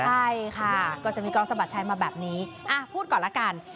ใช่ค่ะก็จะมีกองสะบัดชัยมาแบบนี้พูดก่อนละกัน